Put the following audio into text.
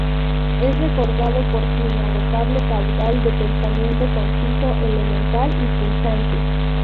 Es recordado por su inagotable caudal de pensamiento, conciso, elemental y punzante.